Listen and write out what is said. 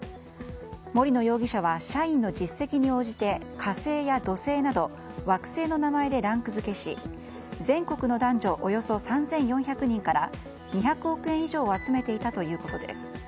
森野容疑者は社員の実績に応じて火星や土星など惑星の名前でランク付けし全国の男女およそ３４００人から２００億円以上を集めていたということです。